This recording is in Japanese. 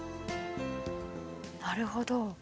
なるほど。